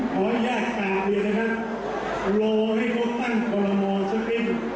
การประตรกุนพละพอแล้ว